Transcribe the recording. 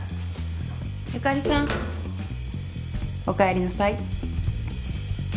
由香里さんおかえりなさい。